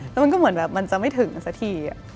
แล้วมันก็เหมือนแบบมันจะไม่ถึงสักที